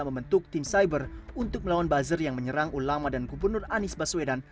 membentuk tim cyber untuk melawan buzzer yang menyerang ulama dan gubernur anies baswedan